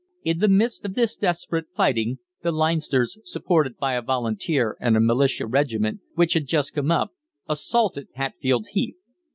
In the midst of this desperate fighting the Leinsters, supported by a Volunteer and a Militia regiment, which had just come up, assaulted Hatfield Heath.